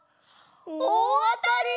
おおあたり！